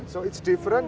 jadi itu berbeda